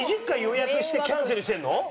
２０回予約してキャンセルしてるの？